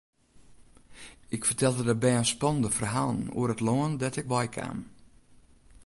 Ik fertelde de bern spannende ferhalen oer it lân dêr't ik wei kaam.